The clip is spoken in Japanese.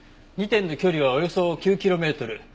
２点の距離はおよそ９キロメートル。